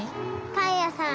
パンやさん！